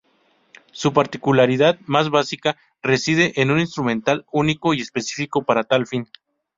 Su particularidad más básica reside en un instrumental único y específico para tal fin.